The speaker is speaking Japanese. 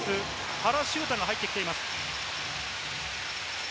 原修太が入ってきています。